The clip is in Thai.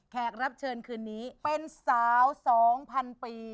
รับเชิญคืนนี้เป็นสาว๒๐๐๐ปี